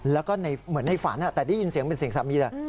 แล้วก็เหมือนในฝันแต่ได้ยินเสียงเป็นเสียงสามีเลย